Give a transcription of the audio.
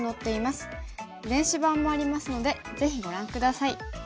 電子版もありますのでぜひご覧下さい。